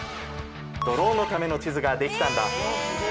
ドローンのための地図が出来たんだ。